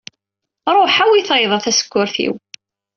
Ruḥ, awi tayeḍ a tasekkurt-iw.